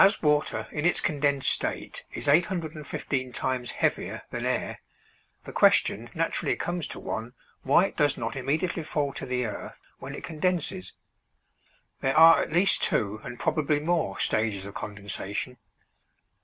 As water in its condensed state is 815 times heavier than air, the question naturally comes to one why it does not immediately fall to the earth when it condenses. There are at least two and probably more stages of condensation.